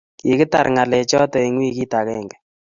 Kigitar ngalechoto eng weekit agenge